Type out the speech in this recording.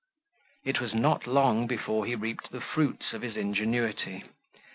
It was not long before he reaped the fruits of his ingenuity.